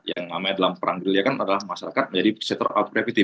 yang namanya dalam perang bril ya kan adalah masyarakat menjadi setor auto gravity